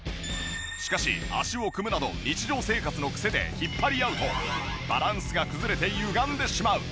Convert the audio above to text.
しかし足を組むなど日常生活の癖で引っ張り合うとバランスが崩れてゆがんでしまう。